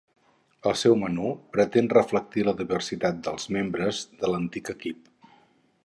El seu menú pretén reflectir la diversitat dels membres de l'antic equip.